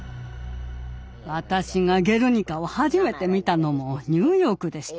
私が「ゲルニカ」を初めて見たのもニューヨークでした。